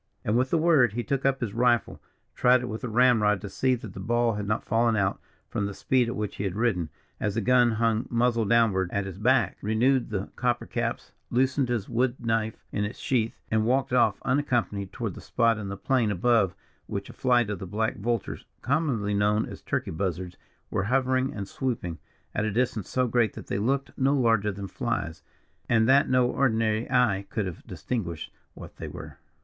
And with the word, he took up his rifle, tried it with the ramrod to see that the ball had not fallen out, from the speed at which he had ridden, as the gun hung muzzle downward at his back; renewed the copper caps, loosened his wood knife in its sheath, and walked off unaccompanied toward the spot in the plain above which a flight of the black vultures, commonly known as Turkey Buzzards, were hovering and swooping, at a distance so great that they looked no larger than flies, and that no ordinary eye could have distinguished what they were.